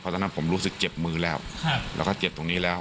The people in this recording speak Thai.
ตอนนั้นผมรู้สึกเจ็บมือแล้วแล้วก็เจ็บตรงนี้แล้ว